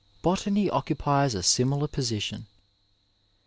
Botany occupies a similar position.